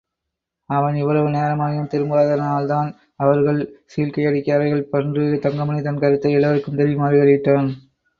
அவன் இவ்வளவு நேரமாகியும் திரும்பாததனால் தான் அவர்கள் சீழ்க்கையடிக்கிறார்கள் பன்று தங்கமணி தன் கருத்தை எல்லாருக்கும் தெரியுமாறு வெளியிட்டான்.